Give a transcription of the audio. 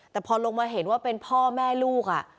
แต่พอลงมาเห็นว่าเป็นพ่อแม่ลูก